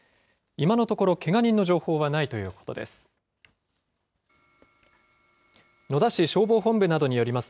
今のところけが人の情報はないということです。